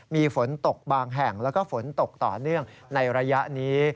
มีฝนตกบางแห่งแล้วก็ฝนตกต่อเนื่องในระยะนี้